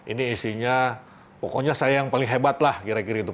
ini isinya pokoknya saya yang paling hebat lah kira kira itu